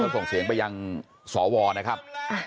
ส่งเสียงไปยังสวนะครับ